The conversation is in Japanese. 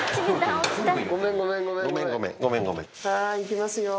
さぁ行きますよ。